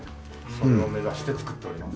それを目指して作っております。